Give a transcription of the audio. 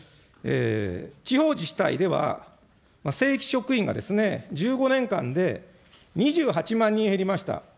地方自治体では、正規職員が１５年間で２８万人減りました。